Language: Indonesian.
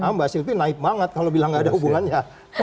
mbak silvi naik banget kalau bilang enggak ada hubungannya